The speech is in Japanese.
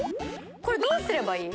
これどうすればいい？